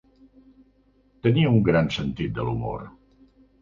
Tenia un gran sentit de l'humor.